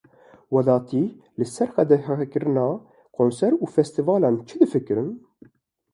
Welatî li ser qedexekirina konser û festîvalan çi difikirin?